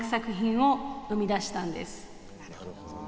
なるほど。